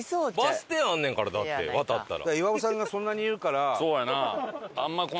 バス停あんねんからだって渡ったら。